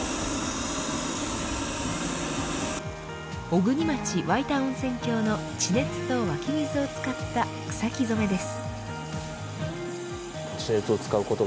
小国町わいた温泉郷の地熱と湧き水を使った草木染です。